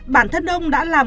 bản thân ông đã làm